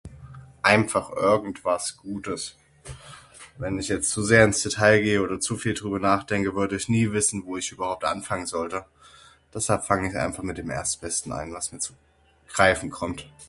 Einfach irgendwas gutes. Wenn ich jetzt zu sehr ins Detail gehe oder zu viel drüber nachdenke würde ich nie wissen wo ich überhaupt anfangen sollte. Deshalb fang ich einfach mit den erstbesten ein, was mir zu greifen kommt.